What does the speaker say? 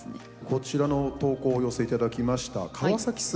こちらの投稿をお寄せいただきました河崎さん